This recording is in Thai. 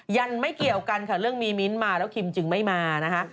ยังไม่เกี่ยวกันค่ะเรื่องมีมิ้นท์มาแล้วคิมจึงไม่มานะคะ